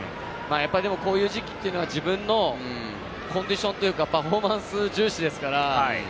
こういう時期っていうのは、自分のコンディションというか、パフォーマンス重視ですから。